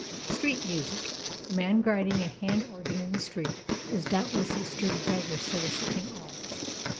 STREET MUSIC. A man grinding a hand organ in the street is doubtless a sturdy beggar soliciting alms.